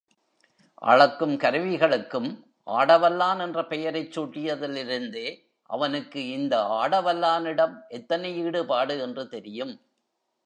அளக்கும் கருவிகளுக்கும் ஆடவல்லான் என்ற பெயரைச் சூட்டியதிலிருந்தே அவனுக்கு இந்த ஆடவல்லானிடம் எத்தனை ஈடுபாடு என்று தெரியும்.